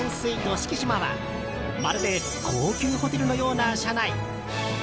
四季島はまるで高級ホテルのような車内。